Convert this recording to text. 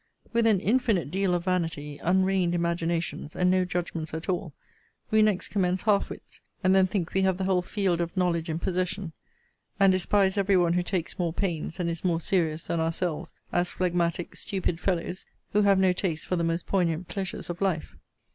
With an infinite deal of vanity, un reined imaginations, and no judgments at all, we next commence half wits, and then think we have the whole field of knowledge in possession, and despise every one who takes more pains, and is more serious, than ourselves, as phlegmatic, stupid fellows, who have no taste for the most poignant pleasures of life.